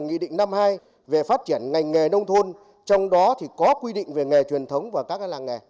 nghị định năm hai về phát triển ngành nghề nông thôn trong đó thì có quy định về nghề truyền thống và các làng nghề